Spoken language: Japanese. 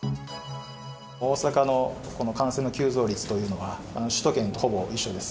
大阪のこの感染の急増率というのは、首都圏とほぼ一緒です。